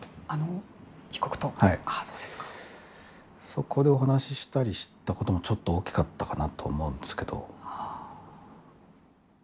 そこでお話ししたりしたこともちょっと大きかったかなと思うんですけど。